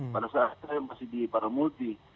pada saat saya masih di para multi